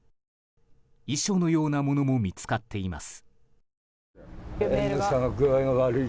遺書のようなものも見つかっています。